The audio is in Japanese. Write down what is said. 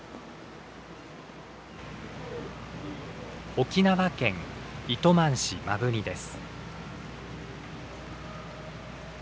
沖縄県糸満市摩文仁です。